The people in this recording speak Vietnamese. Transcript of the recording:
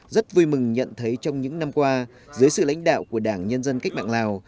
rất vui mừng nhận thấy trong những năm qua dưới sự lãnh đạo của đảng nhân dân cách mạng lào